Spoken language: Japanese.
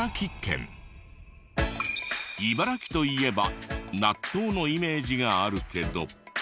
茨城といえば納豆のイメージがあるけど。